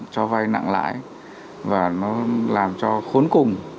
cho vay nặng lãi và nó làm cho khốn cùng